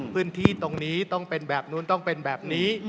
พื้นที่ตรงนี้ต้องเป็นแบบนู้นต้องเป็นแบบนี้